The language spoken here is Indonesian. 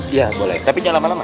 iya boleh tapi jangan lama lama ya